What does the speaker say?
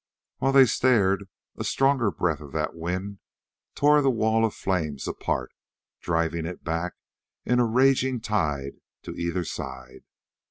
While they stared a stronger breath of that wind tore the wall of flames apart, driving it back in a raging tide to either side.